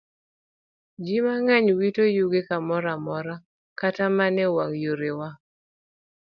Ji mang'eny wito yugi kamoro amora, kata mana e wang' yorewa.